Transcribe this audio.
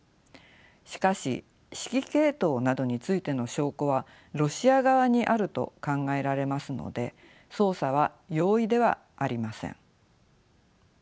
しかし指揮系統などについての証拠はロシア側にあると考えられますので捜査は容易ではありません。